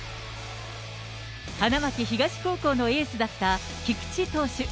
花巻東高校のエースだった菊池投手。